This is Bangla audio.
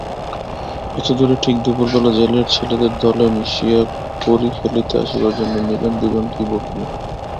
এতদূরে ঠিক দুপুরবেলা জেলের ছেলেদের দলে মিশিয়া কড়ি খেলিতে আসিবার জন্য নীরেন দুজনকেই বকিল।